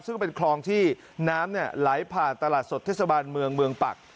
ซึ่งเป็นคลองที่น้ำไหลผ่านตลาดสดเทศบาลเมืองเมืองปัก